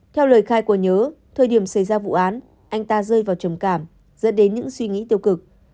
theo lời khai của nhớ thời điểm xảy ra vụ án anh ta rơi vào trầm cảm dẫn đến những suy nghĩ tiêu cực